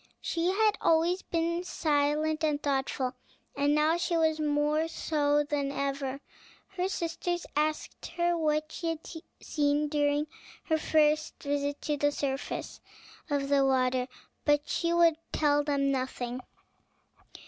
She had always been silent and thoughtful, and now she was more so than ever. Her sisters asked her what she had seen during her first visit to the surface of the water; but she would tell them nothing.